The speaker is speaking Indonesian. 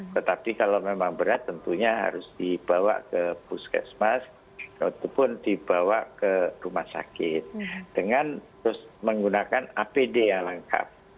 tetapi kalau memang berat tentunya harus dibawa ke puskesmas ataupun dibawa ke rumah sakit dengan terus menggunakan apd yang lengkap